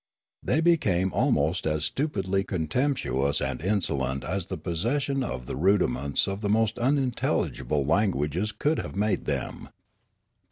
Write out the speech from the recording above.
They became almost as stupidly contemptuous and insolent as the possession of the rudiments of the most unintelligible languages could have made them.